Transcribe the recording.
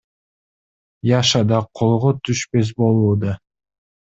Яша да колго түшпөс болууда.